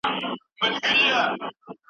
ادبيات د ژبې هنداره ده.